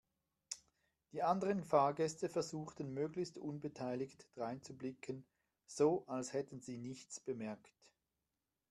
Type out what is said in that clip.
Die anderen Fahrgäste versuchten möglichst unbeteiligt dreinzublicken, so als hätten sie nichts bemerkt.